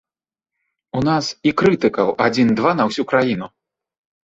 У нас і крытыкаў адзін-два на ўсю краіну.